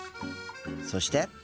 そして。